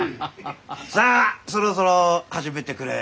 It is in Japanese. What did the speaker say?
さあそろそろ始めてくれ。